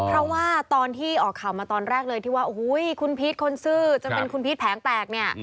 เพราะว่าตอนที่ออกข่าวมาตอนแรกเลยที่ว่าโอ้โหคุณพีชคนซื่อจนเป็นคุณพีชแผงแตกเนี่ย